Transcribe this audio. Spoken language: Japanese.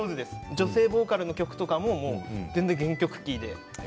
女性ボーカルの曲とかも全然、原曲のキーで。